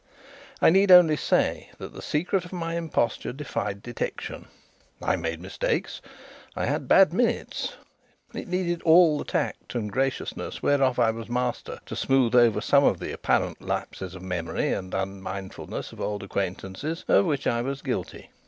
I need only say that the secret of my imposture defied detection. I made mistakes. I had bad minutes: it needed all the tact and graciousness whereof I was master to smooth over some apparent lapses of memory and unmindfulness of old acquaintances of which I was guilty.